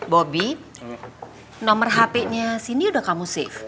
bobby nomor hp nya sini udah kamu save